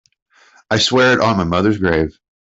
I swear it on my mother's grave.